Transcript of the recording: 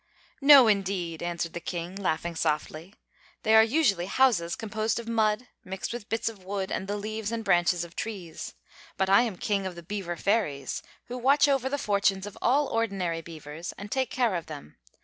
"No, indeed!" answered the King, laughing softly. "They are usually houses composed of mud, mixed with bits of wood and the leaves and branches of trees. But I am King of the Beaver Fairies, who watch over the fortunes of all ordinary beavers and take care of them.